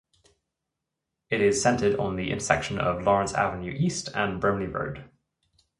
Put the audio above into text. It is centred on the intersection of Lawrence Avenue East and Brimley Road.